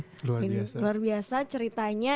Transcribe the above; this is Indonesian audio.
luar biasa luar biasa ceritanya